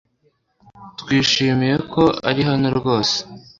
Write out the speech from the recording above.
Twishimiye ko uri hano rwose